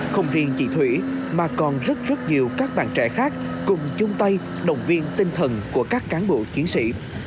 không riêng chị thủy mà còn rất rất nhiều các bạn trẻ khác cùng chung tay đồng viên tinh thần của các cán bộ chiến sĩ